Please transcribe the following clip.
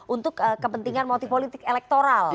untuk kepentingan motif politik elektoral